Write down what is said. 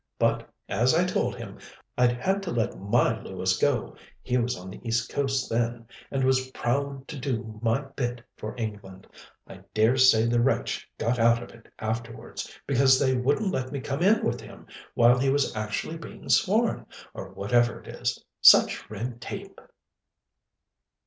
But, as I told him, I'd had to let my Lewis go he was on the East Coast then and was proud to do my bit for England. I dare say the wretch got out of it afterwards, because they wouldn't let me come in with him while he was actually being sworn, or whatever it is. Such red tape!"